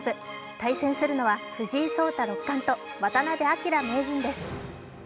対戦するのは藤井聡太六冠と渡辺明名人です。